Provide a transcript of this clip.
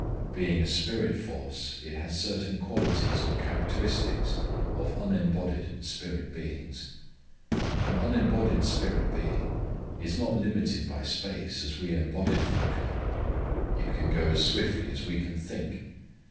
Being a spirit force it has certain qualities or characteristics of unembodied spirit beings. An unembodied spirit being is not limited by space as we embodied folk are. It can go as swiftly as we can think.